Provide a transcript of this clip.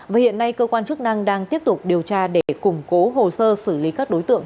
và hiện nay cơ quan chức năng đang tiếp tục điều tra để củng cố hồ sơ xử lý các đối tượng